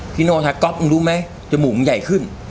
นิโนมาทักก็เอิ้นรู้ไหมจมูกใหญ่ขึ้น